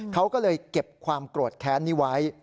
เขาก็เลยเก็บความโกรธแค้นนี้ไว้